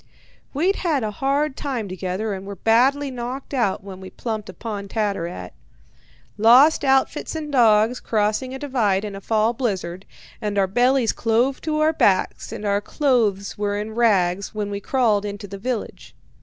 "We'd had a hard time together and were badly knocked out when we plumped upon Tattarat. Lost outfits and dogs crossing a divide in a fall blizzard, and our bellies clove to our backs and our clothes were in rags when we crawled into the village.